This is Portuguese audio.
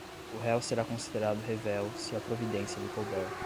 o réu será considerado revel, se a providência lhe couber;